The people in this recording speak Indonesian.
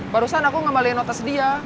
barusan aku ngembalikan notas dia